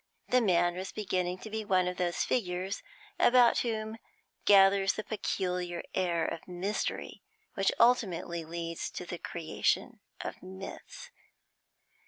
The man was beginning to be one of those figures about whom gathers the peculiar air of mystery which ultimately leads to the creation of myths.